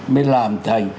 mới làm thành